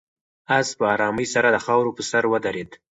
آس په آرامۍ سره د خاورو په سر ودرېد.